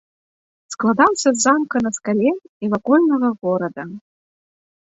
Складаўся з замка на скале і вакольнага горада.